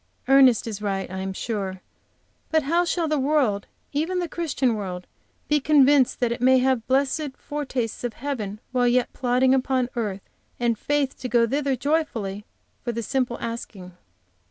Ernest is right, I am sure, but how shall the world, even the Christian world, be convinced that it may have blessed fortastes of heaven while yet plodding upon earth, and faith to go thither joyfully, for the simple asking?